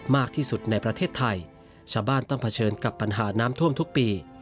มากที่สุดในประเทศไทยชาวบ้านต้องเผชิญกับปัญหาน้ำท่วมทุกปี